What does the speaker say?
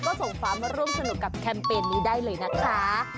ก็ส่งฟ้ามาร่วมสนุกกับแคมเปญนี้ได้เลยนะคะ